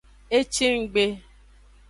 Ecinggbe.